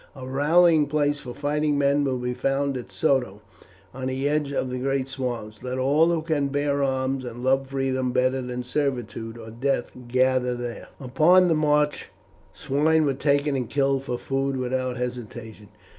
A rallying place for fighting men will be found at Soto, on the edge of the great swamps; let all who can bear arms and love freedom better than servitude or death gather there." Upon the march swine were taken and killed for food without hesitation.